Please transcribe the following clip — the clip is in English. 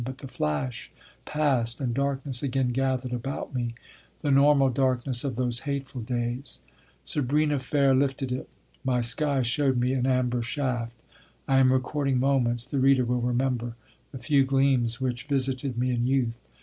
But the flash passed and darkness again gathered about me, the normal darkness of those hateful days. "Sabrina fair" lifted it; my sky showed me an amber shaft. I am recording moments, the reader will remember, the few gleams which visited me in youth.